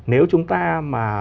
nếu chúng ta mà